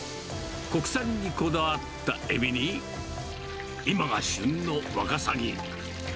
国産にこだわったエビに、今が旬のワカサギ。